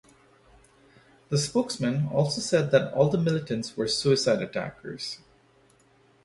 The spokesman also said that all the militants were suicide attackers.